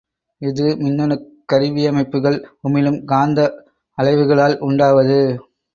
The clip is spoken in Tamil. இது மின்னணுக் கருவியமைப்புகள் உமிழும் காந்த அலைவுகளால் உண்டாவது.